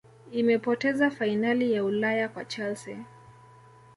imepoteza fainali ya Ulaya kwa chelsea